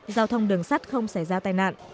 giao thông đường sắt không xảy ra tai nạn